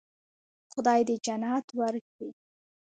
خدای دې جنت ورکړي.